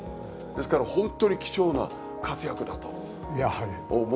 ですから本当に貴重な活躍だと思ってますよ。